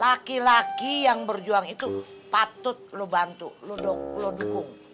lagi lagi yang berjuang itu patut lu bantu lu dukung